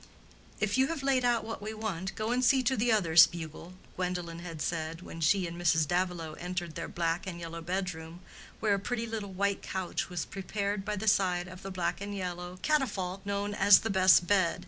"If you have laid out what we want, go and see to the others, Bugle," Gwendolen had said, when she and Mrs. Davilow entered their black and yellow bedroom, where a pretty little white couch was prepared by the side of the black and yellow catafalque known as the best bed.